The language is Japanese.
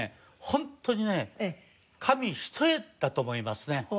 ホントにね紙一重だと思いますね。